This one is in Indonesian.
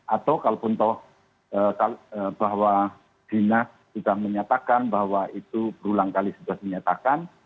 atau kalau sangat saja bahwa dinas sudah menyatakan bahwa itu berulang kali sudah menyatakan